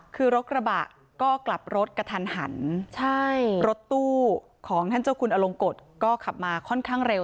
คือรถกระบะก็กลับรถกระทันหันใช่รถตู้ของท่านเจ้าคุณอลงกฎก็ขับมาค่อนข้างเร็ว